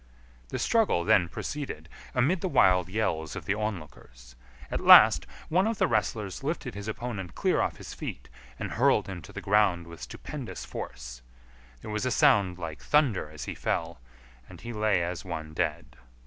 The struggle then proceeded, amid the wild yells of the onlookers. At last one of the wrestlers lifted his opponent clear off his feet, and hurled him to the ground with stupendous force. There was a sound like thunder as he fell, and he lay as one dead.